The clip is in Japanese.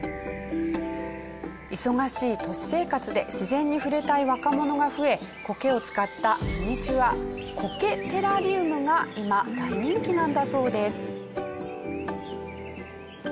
忙しい都市生活で自然に触れたい若者が増え苔を使ったミニチュア苔テラリウムが今大人気なんだそうです。